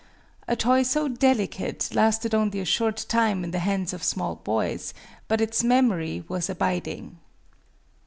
A toy so delicate lasted only a short time in the hands of small boys, but its memory was abiding.